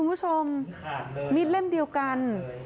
คุณผู้ชมมีดเล่มเดียวกัน